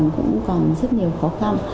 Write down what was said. cũng còn rất nhiều khó khăn